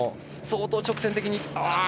相当直線的に。